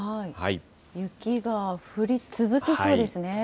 雪が降り続きそうですね。